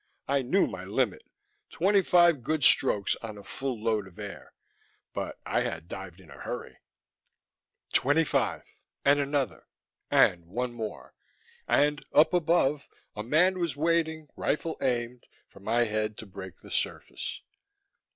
I knew my limit: twenty five good strokes on a full load of air; but I had dived in a hurry.... Twenty five ... and another ... and one more. And up above a man was waiting, rifle aimed, for my head to break the surface.